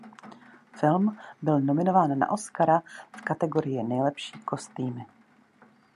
Film byl nominován na Oscara v kategorii nejlepší kostýmy.